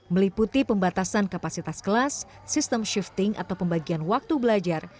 meliputi pembatasan kapasitas kelas sistem shifting atau pembagian waktu belajar